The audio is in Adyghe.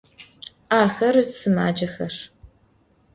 Axer sımacexep.